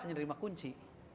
hanya menerima kunci